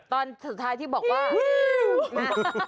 ตอนท้ายที่บอกว่า